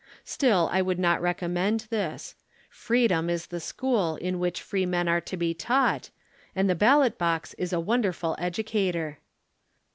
Still I would not recommend this. Freedom is the school in which freemen are to be taught, and the ballot box is a wonderful educator.